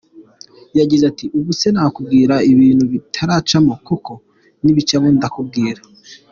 Yagize ati “Ubu se nakubwira ibintu bitaracamo koko? Nibicamo ndakubwira.